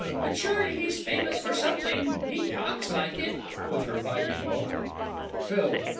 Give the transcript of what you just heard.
But surely he's famous for something? He talks like it. [With reviving hope. PHIL.